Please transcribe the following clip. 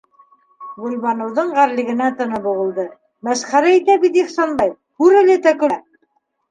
Гөлбаныуҙың ғәрлегенән тыны быуылды: мәсхәрә итә бит Ихсанбай, күрәләтә көлә!